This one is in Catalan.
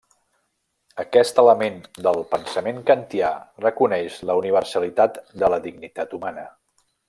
Aquest element del pensament kantià reconeix la universalitat de la dignitat humana.